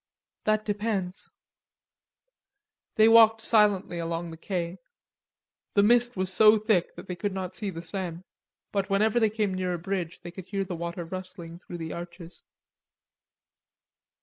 "That depends." They walked silently along the quais. The mist was so thick they could not see the Seine, but whenever they came near a bridge they could hear the water rustling through the arches.